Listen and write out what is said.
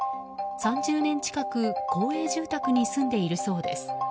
３０年近く公営住宅に住んでいるそうです。